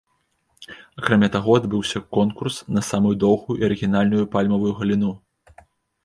Акрамя таго адбыўся конкурс на самую доўгую і арыгінальную пальмавую галіну.